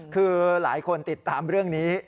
คือหลายคนติดตามเรื่องนี้